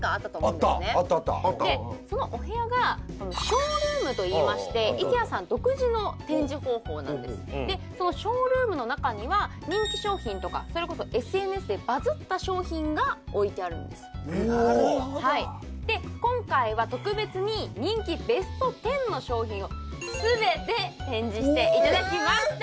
そのお部屋がショールームといいましてＩＫＥＡさん独自の展示方法なんですでそのショールームの中には人気商品とかそれこそＳＮＳでバズった商品が置いてあるんですで今回は特別に人気ベスト１０の商品を全て展示していただきました！